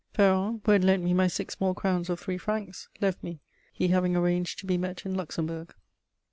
Ferron, who had lent me my six small crowns of three francs, left me, he having arranged to be met in Luxembourg.